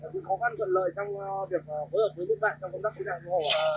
cũng khó khăn gần lợi trong việc hối hợp với các bạn trong công tác cây đoàn hóa